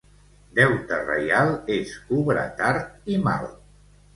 Deute reial es cobra tard i mal.